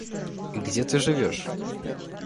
Где ты живёшь?